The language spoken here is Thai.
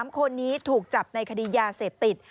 ๓คนนี้ถูกจับในคดียาเสพติด